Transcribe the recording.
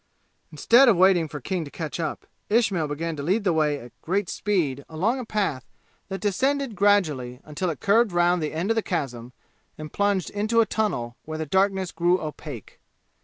Instead of waiting for King to catch up, Ismail began to lead the way at great speed along a path that descended gradually until it curved round the end of the chasm and plunged into a tunnel where the darkness grew opaque.